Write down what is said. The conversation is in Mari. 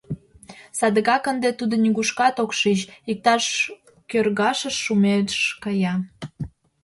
Садыгак ынде тудо нигушкат ок шич, иктаж кӧргашыш шумеш кая.